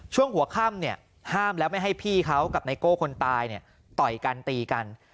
ช่วงหัวค่ำห้ามแล้วไม่ให้พี่เขากับไนโก้คนตายต่อยกันตีกัน